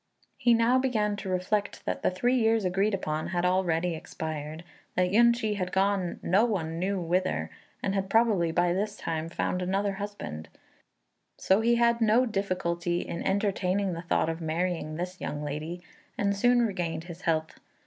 He now began to reflect that the three years agreed upon had already expired; that Yün ch'i had gone no one knew whither, and had probably by this time found another husband; so he had no difficulty in entertaining the thought of marrying this young lady, and soon regained his health.